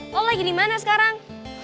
oh lagi di mana sekarang